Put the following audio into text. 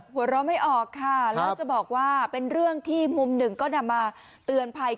หัวเราะไม่ออกค่ะแล้วจะบอกว่าเป็นเรื่องที่มุมหนึ่งก็นำมาเตือนภัย